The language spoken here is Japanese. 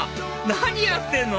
何やってんの？